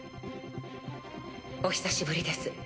お久しぶりです